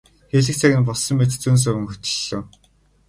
Хэлэх цаг нь болсон мэт зөн совин хөтөллөө.